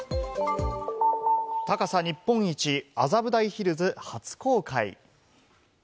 高さ日本一、麻布台ヒルズ初公開。